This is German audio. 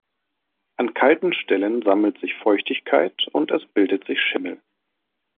An kalten Stellen sammelt sich Feuchtigkeit und es bildet sich Schimmel.